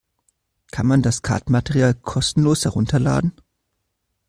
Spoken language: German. Kann man das Kartenmaterial kostenlos herunterladen?